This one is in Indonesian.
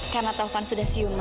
karena taufan sudah siuman